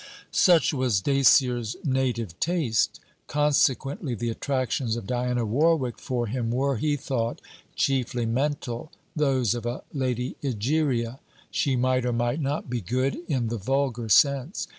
Such was Dacier's native taste; consequently the attractions of Diana Warwick for him were, he thought, chiefly mental, those of a Lady Egeria. She might or might not be good, in the vulgar sense.